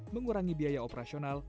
mengurangi biaya operasional